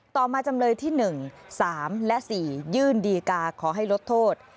ต่อมาจำเลยที่๑๓และ๔ยื่นดีกาขอให้ลดโทษ